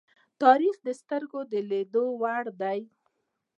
تاریخ د سترگو د لیدو وړ دی.